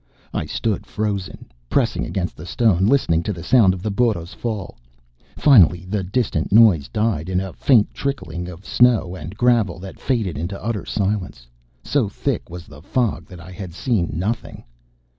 I stood frozen, pressing against the stone, listening to the sound of the burro's fall. Finally the distant noise died in a faint trickling of snow and gravel that faded into utter silence. So thick was the fog that I had seen nothing.